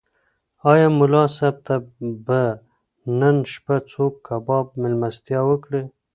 ایا ملا صاحب ته به نن شپه څوک کباب مېلمستیا وکړي؟